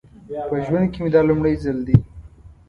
په ژوند کې مې دا لومړی ځل دی.